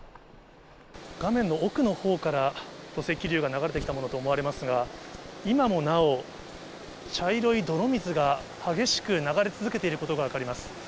画面の奥のほうから土石流が流れてきたものと思われますが、今もなお、茶色い泥水が激しく流れ続けていることが分かります。